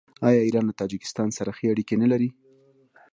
آیا ایران له تاجکستان سره ښې اړیکې نلري؟